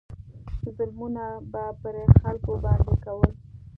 ظلمونه به پر خلکو باندې کول.